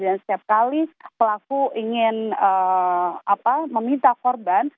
dan setiap kali pelaku ingin meminta korban